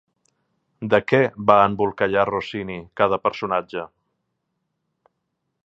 De què va embolcallar Rossini cada personatge?